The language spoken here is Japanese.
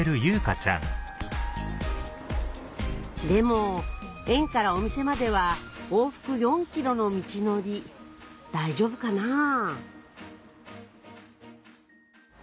でも園からお店までは往復４ｋｍの道のり大丈夫かなぁ？